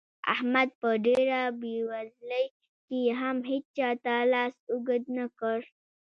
احمد په ډېره بېوزلۍ کې هم هيچا ته لاس اوږد نه کړ.